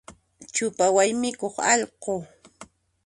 Chupa waymikuq allqu.